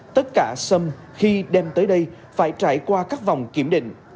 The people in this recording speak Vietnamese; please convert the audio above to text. tất cả sâm khi đem tới đây phải trải qua các vòng kiểm định